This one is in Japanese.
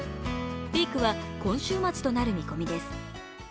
ピークは今週末となる見込みです。